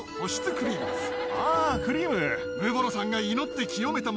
あクリーム。